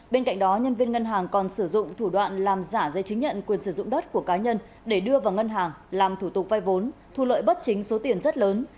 bên cạnh đó nhân viên ngân hàng còn sử dụng thủ đoạn làm giả giấy chứng nhận quyền sử dụng đất của cá nhân để đưa vào ngân hàng làm thủ tục vay vốn thu lợi bất chính số tiền rất lớn